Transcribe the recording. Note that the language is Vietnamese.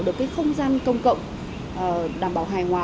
được cái không gian công cộng đảm bảo hài hòa